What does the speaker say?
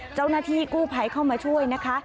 เจ้าหน้าที่กู้ภัยเข้ามาช่วยนะคะ